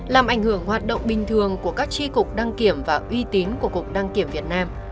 làm ảnh hưởng hoạt động bình thường của các tri cục đăng kiểm và uy tín của cục đăng kiểm việt nam